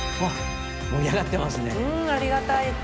うんありがたい。